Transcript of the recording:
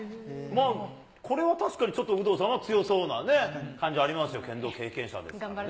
これは確かにちょっと有働さんは強そうなね、感じありますよ、剣道経験者ですからね。